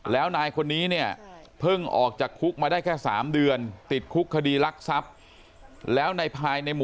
แล้วนายคนนี้เนี่ยเพิ่งออกจากคุกมาได้แค่๓เดือนติดคุกคดีรักทรัพย์แล้วในภายในหมู่